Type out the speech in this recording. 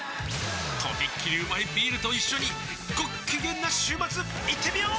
とびっきりうまいビールと一緒にごっきげんな週末いってみよー！